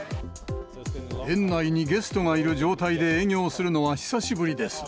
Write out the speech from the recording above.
園内にゲストがいる状態で営業するのは久しぶりです。